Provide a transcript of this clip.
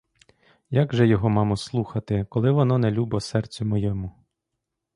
Як же його, мамо, слухати, коли воно не любо серцю моєму.